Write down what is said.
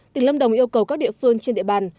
tỉnh lâm đồng yêu cầu các địa phương trên địa bàn